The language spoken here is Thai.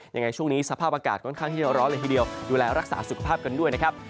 ยังไงช่วงนี้สภาพอากาศค่อนข้างที่จะร้อนเลยทีเดียวดูแลรักษาสุขภาพกันด้วยนะครับ